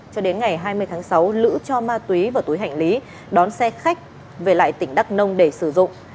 cho đến ngày hai mươi tháng sáu lữ cho ma túy và túi hành lý đón xe khách về lại tỉnh đắk nông để sử dụng